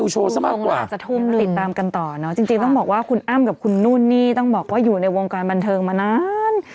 จริงต้องบอกว่าคุณอ้ำกับคุณนู่นนี่ต้องบอกว่าอยู่ในวงการบันเทิงมานาน